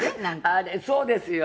「あれそうですよ」